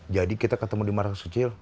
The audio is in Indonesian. jadi kita ketemu di marangkecil